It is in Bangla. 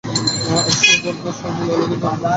আর সুপর্ণার স্বামী লাগালাগির ধান্দা করায়।